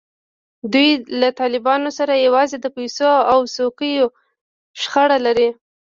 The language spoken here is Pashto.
دوی له طالبانو سره یوازې د پیسو او څوکیو شخړه لري.